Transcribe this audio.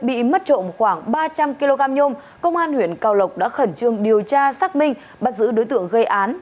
bị mất trộm khoảng ba trăm linh kg nhôm công an huyện cao lộc đã khẩn trương điều tra xác minh bắt giữ đối tượng gây án